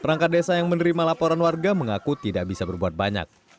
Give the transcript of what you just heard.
perangkat desa yang menerima laporan warga mengaku tidak bisa berbuat banyak